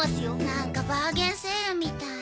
何かバーゲンセールみたい。